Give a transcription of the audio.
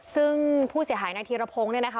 ซึ่งผู้เสียหายนายธีรพงศ์เนี่ยนะคะ